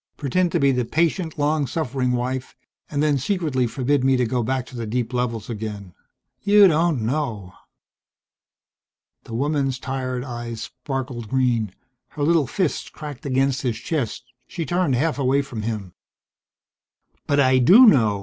Pretend to be the patient, long suffering wife and then secretly forbid me to go back to the deep levels again! You don't know!" The woman's tired eyes sparkled green. Her little fist cracked against his chest. She turned half away from him. "But I do know.